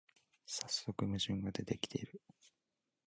さっそく矛盾が出てきてる